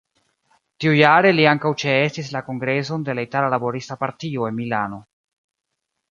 Tiujare li ankaŭ ĉeestis la kongreson de la Itala Laborista Partio en Milano.